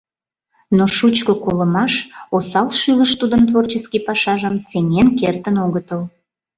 Но шучко колымаш, осал шӱлыш тудын творческий пашажым сеҥен кертын огытыл.